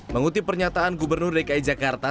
mengutip pernyataan gubernur dki jakarta